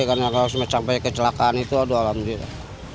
karena kalau sampai kecelakaan itu aduh alhamdulillah